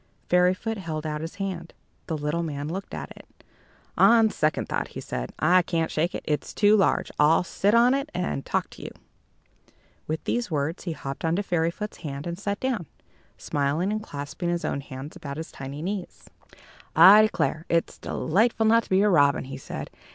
Fairyfoot held out his hand. The little man looked at it. "On second thought," he said, "I can't shake it it's too large. I'll sit on it, and talk to you." With these words, he hopped upon Fairyfoot's hand, and sat down, smiling and clasping his own hands about his tiny knees. "I declare, it's delightful not to be a robin," he said.